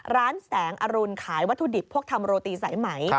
ร้านแสงอรุณขายวัตถุดิบพวกทำโรตีสายไหม